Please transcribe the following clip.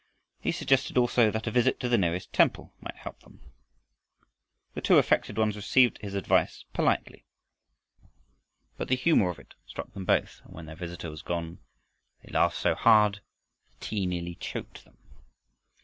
He suggested, also, that a visit to the nearest temple might help them. The two affected ones received his advice politely, but the humor of it struck them both, and when their visitor was gone they laughed so hard the tea nearly choked them.